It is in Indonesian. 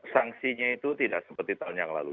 sanksinya itu tidak seperti tahun yang lalu